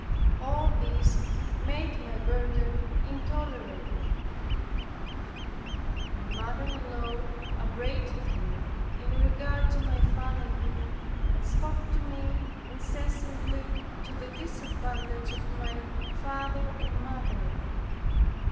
All this made my burden intolerable. My mother in law upbraided me in regard to my family, and spoke to me incessantly to the disadvantage of my father and mother.